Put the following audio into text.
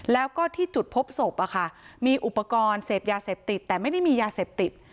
แล้วก็ที่จุดพบศพมีอุปกรณ์เสพยาเสพติดแต่ไม่ได้มียาเสพติด